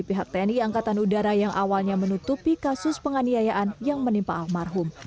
pihak tni angkatan udara yang awalnya menutupi kasus penganiayaan yang menimpa almarhum